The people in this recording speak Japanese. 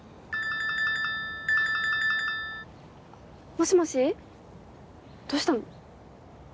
もしもしどうしたの？